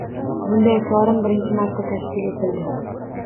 Bunday forum birinchi marta tashkil etildi